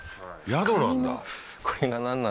宿なんだ